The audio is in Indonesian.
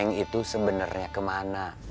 si neng itu sebenernya kemana